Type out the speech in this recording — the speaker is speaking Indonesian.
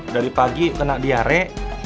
dari pagi kena diare